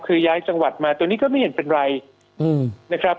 คือย้ายจังหวัดมาตัวนี้ก็ไม่เห็นเป็นไรนะครับ